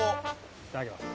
いただきます。